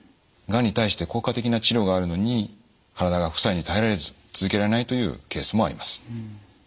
がんに対して効果的な治療があるのに体が副作用に耐えられず続けられないというケースもあります。